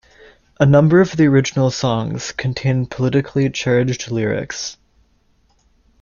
A number of the original songs contain politically charged lyrics.